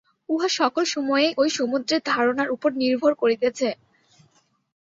উহা সকল সময়েই ঐ সমুদ্রের ধারণার উপর নির্ভর করিতেছে।